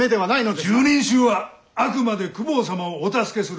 拾人衆はあくまで公方様をお助けする隠密じゃ！